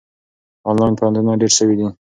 آنلاین پوهنتونونه ډېر سوي دي.